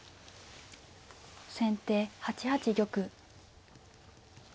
先手８八玉。